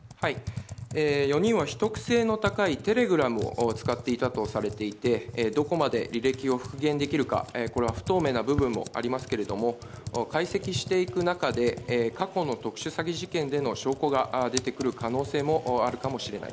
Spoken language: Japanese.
４人は秘匿性の高いテレグラムを使っていたとされていてどこまで履歴を復元できるかこれは不透明な部分もありますけども解析していく中で過去の特殊詐欺事件での証拠が出てくる可能性もあるかもしれない。